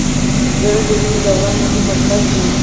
زړه د وینې د دوران مهم مرکز دی.